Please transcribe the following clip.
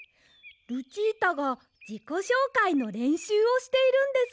ルチータがじこしょうかいのれんしゅうをしているんですが。